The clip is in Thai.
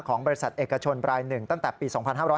บริษัทเอกชนราย๑ตั้งแต่ปี๒๕๕๙